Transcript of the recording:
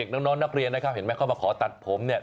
น้องนักเรียนนะครับเห็นไหมเข้ามาขอตัดผมเนี่ย